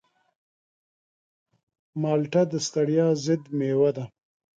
مالټه د ستړیا ضد مېوه ده.